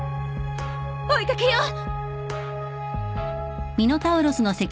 追い掛けよう！